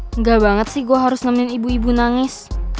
enggak banget sih gue harus nemenin ibu ibu nangis